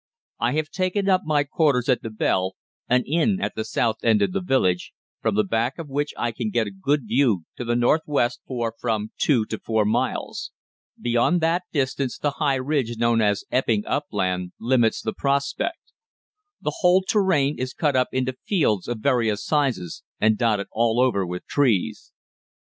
I have taken up my quarters at the Bell, an inn at the south end of the village, from the back of which I can get a good view to the north west for from two to four miles. Beyond that distance the high ridge known as Epping Upland limits the prospect. The whole terrain is cut up into fields of various sizes and dotted all over with trees.